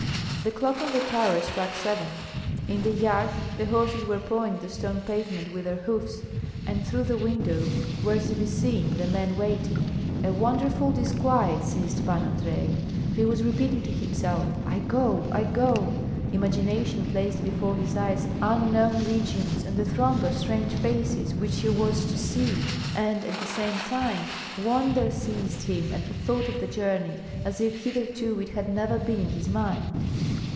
The clock on the tower struck seven. In the yard the horses were pawing the stone pavement with their hoofs, and through the window were to be seen the men waiting. A wonderful disquiet seized Pan Andrei. He was repeating to himself, "I go, I go!" Imagination placed before his eyes unknown regions, and a throng of strange faces which he was to see, and at the same time wonder seized him at the thought of the journey, as if hitherto it had never been in his mind.